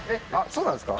そうなんですか？